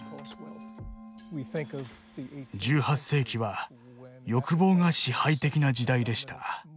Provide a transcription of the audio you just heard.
１８世紀は欲望が支配的な時代でした。